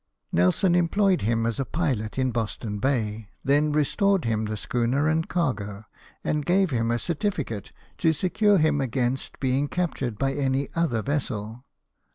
Nelson employed him as a pilot in Boston Bay, then restored him the schooner and cargo, and gave him a certificate to secure him against being captured by any other vessel.